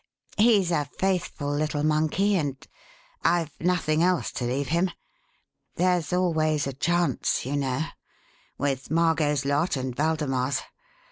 "He's a faithful little monkey and I've nothing else to leave him. There's always a chance, you know with Margot's lot and Waldemar's.